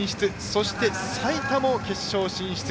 そして、税田も決勝進出。